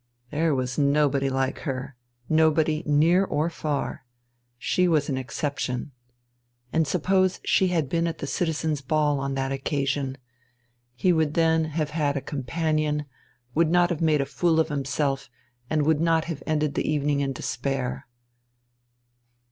There was nobody like her, nobody near or far. She was an exception. And suppose she had been at the Citizens' Ball on that occasion? He would then have had a companion, would not have made a fool of himself, and would not have ended the evening in despair.